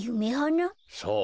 そう。